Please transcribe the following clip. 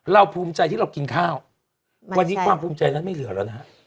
ภูมิใจที่เรากินข้าววันนี้ความภูมิใจนั้นไม่เหลือแล้วนะฮะ